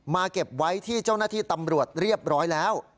เก็บไว้ที่เจ้าหน้าที่ตำรวจเรียบร้อยแล้ว